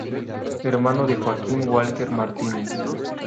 Hermano de Joaquín Walker Martínez.